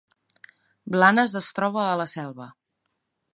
Blanes es troba a la Selva